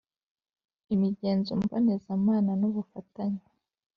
imigenzo mbonezamana n ubufatanye